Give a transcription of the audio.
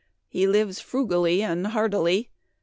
He lives frugally and hardily.